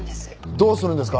どうするんですか？